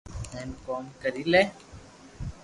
ھين ڪوم ڪري لي